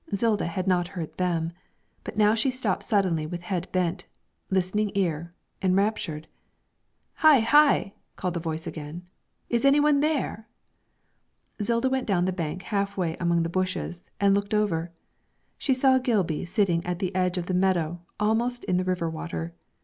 Zilda had not heard them, but now she stopped suddenly with head bent, listening eager, enraptured. 'Hi! hi!' called the voice again. 'Is any one there?' Zilda went down the bank halfway among the bushes and looked over. She saw Gilby sitting at the edge of the meadow almost in the river water.